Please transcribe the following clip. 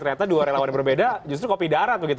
ternyata dua relawan yang berbeda justru kopi darat begitu